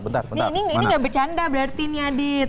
ini gak bercanda berarti nih adit